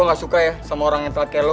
gue gak suka ya sama orang yang telat kayak lo